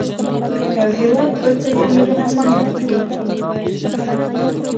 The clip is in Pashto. که یو هېواد بل ته یو میلیون افغانۍ ورکړي